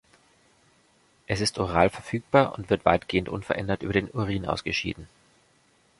Es ist oral verfügbar und wird weitgehend unverändert über den Urin ausgeschieden.